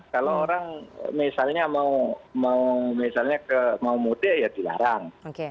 kalau orang misalnya mau muda ya dilarang